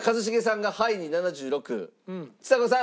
ちさ子さん